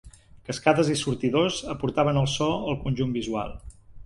Cascades i sortidors aportaven el so al conjunt visual.